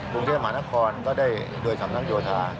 กรุงเทพมหานครก็ได้โดยสำนักโยธา